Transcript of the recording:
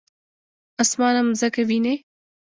اسمان او مځکه وینې؟